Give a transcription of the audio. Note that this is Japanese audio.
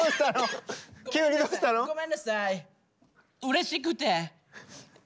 うれしくて。